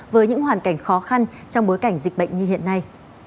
với những hoàn cảnh khó khăn trong bối cảnh dịch bệnh như hiện nay